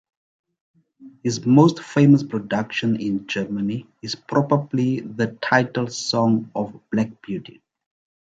His most famous production in Germany is probably the title song of Black Beauty.